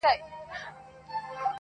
برېښنا، تالندي، غړومبی او جګ ږغونه -